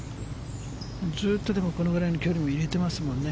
ずっとこのくらいの距離も入れてますよね。